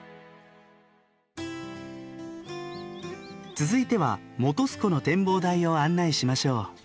続いては本栖湖の展望台を案内しまょう。